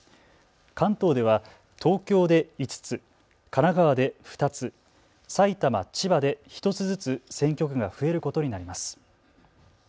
関東では東京で５つ、神奈川で２つ、埼玉、千葉で１つずつ選挙区が増えることになります。